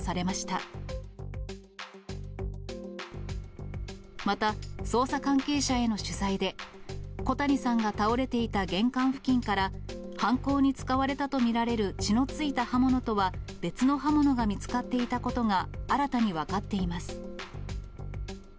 また捜査関係者への取材で、小谷さんが倒れていた玄関付近から、犯行に使われたと見られる血のついた刃物とは別の刃物が見つかっていたことが新たに分かっています。